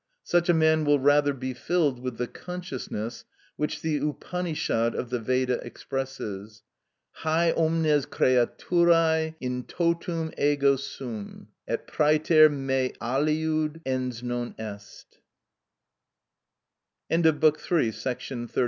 Such a man will rather be filled with the consciousness, which the Upanishad of the Veda expresses: Hæ omnes creaturæ in totum ego sum, et præter me aliud ens non est (Oupnek'hat, i. 122).(48) § 35.